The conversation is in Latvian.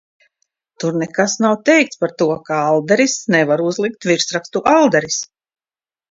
"Tur nekas nav teikts par to, ka "Aldaris" nevar uzlikt virsrakstu "Aldaris"."